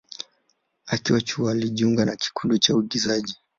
Akiwa chuo, alijiunga na kikundi cha uigizaji.